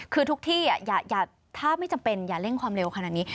คือทุกที่ถ้าไม่จำเป็นอย่าเร่งความเร็วขนาดนี้